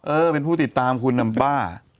เออเป็นผู้ติดตามคุณน่ะบ้า